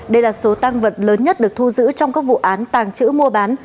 đây là số tăng vật lớn nhất được thu giữ trong các vụ án tàng trữ mua bán